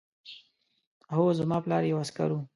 هو زما پلار یو عسکر و